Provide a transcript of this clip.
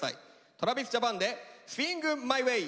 ＴｒａｖｉｓＪａｐａｎで「ＳｗｉｎｇＭｙＷａｙ」。